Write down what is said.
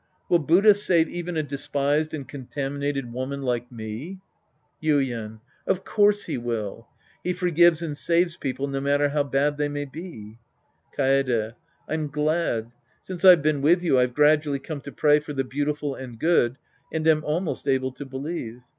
Will Buddha save even a despised and contaminated woman like me ? Yuien. Of course he will. He forgives and saves people, no matter how bad they may be. Kaede. I'm glad. Since I've been with you, I've gradually come to pray for the beautiful and good and am almost able to believe.